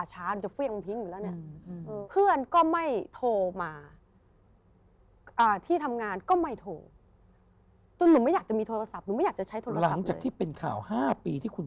จนหนึ่งอยากจะมีโทรศัพท์หนึ่งอยากจะใช้โทรศัพท์เลย